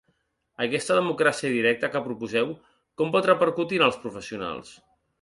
Aquesta democràcia directa que proposeu com pot repercutir en els professionals?